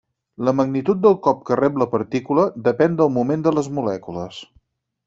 La magnitud del cop que rep la partícula depèn del moment de les molècules.